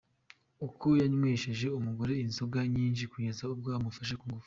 ko yanywesheje umugore inzoga nyinshi kugeza ubwo amufata ku ngufu.